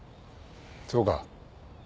そうか。